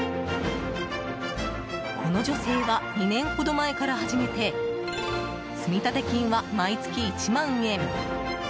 この女性は２年ほど前から始めて積立金は毎月１万円。